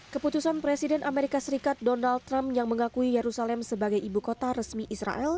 keputusan presiden amerika serikat donald trump yang mengakui yerusalem sebagai ibu kota resmi israel